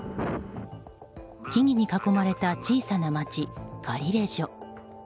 木々に囲まれた小さな町、カリレジョ。